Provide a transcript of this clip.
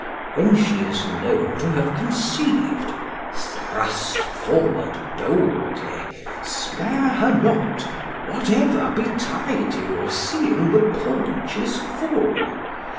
When she is known to have conceived, thrust forward boldly, spare her not, whatever betide you, seeing the paunch is full.